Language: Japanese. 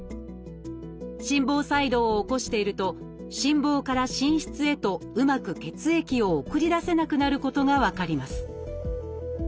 心房細動を起こしていると心房から心室へとうまく血液を送り出せなくなることが分かります